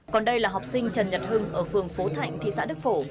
còn đây là học sinh trần nhật hưng ở phường phổ thạnh thị xã đức phổ